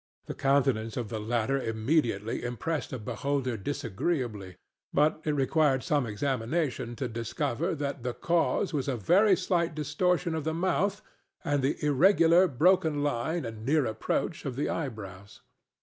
The countenance of the latter immediately impressed a beholder disagreeably, but it required some examination to discover that the cause was a very slight distortion of the mouth and the irregular, broken line and near approach of the eyebrows.